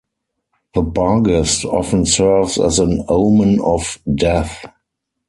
The Barghest often serves as an omen of death.